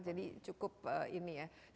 jadi cukup strategis di terhadap ini